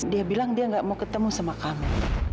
dia bilang dia gak mau ketemu sama kamu